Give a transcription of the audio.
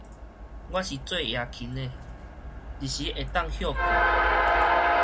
我是做夜勤的，日時會當歇睏